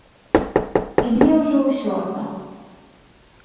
І мне ўжо ўсё адно.